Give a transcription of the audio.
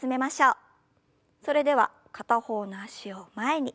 それでは片方の脚を前に。